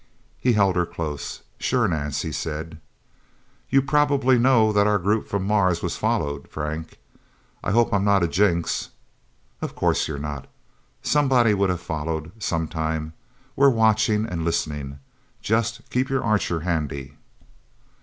He held her close. "Sure, Nance," he said. "You probably know that our group from Mars was followed, Frank. I hope I'm not a jinx." "Of course you're not. Somebody would have followed sometime. We're watching and listening. Just keep your Archer handy..."